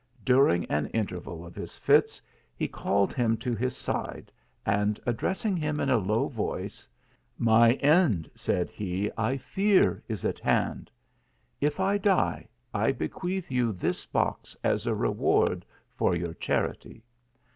During an inter val of his fits he called him to his side, and address ing him in a low voice ;/ My end," said he, " I fear is at hand. If I die I Bequeath you this box as a reward for your charity."